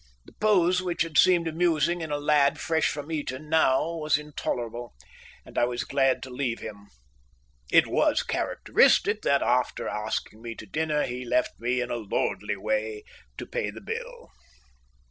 The pose which had seemed amusing in a lad fresh from Eton now was intolerable, and I was glad to leave him. It was characteristic that, after asking me to dinner, he left me in a lordly way to pay the bill.